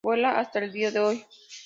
Vuela hasta el día de hoy.